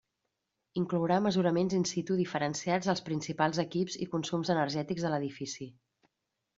Inclourà mesuraments in situ diferenciats dels principals equips i consums energètics de l'edifici.